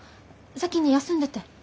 先に休んでて。